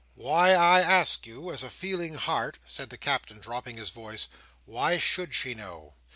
"Why, I ask you, as a feeling heart," said the Captain, dropping his voice, "why should she know?